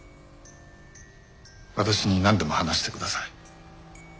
私になんでも話してください。